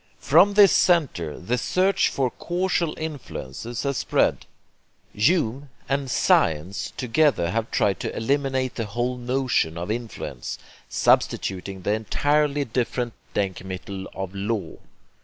From this centre the search for causal influences has spread. Hume and 'Science' together have tried to eliminate the whole notion of influence, substituting the entirely different DENKMITTEL of 'law.'